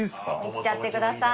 いっちゃってください